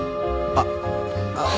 あっ。